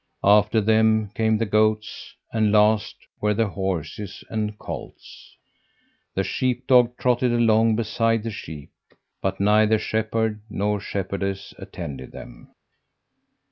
After them came the goats, and last were the horses and colts. The sheep dog trotted along beside the sheep; but neither shepherd nor shepherdess attended them.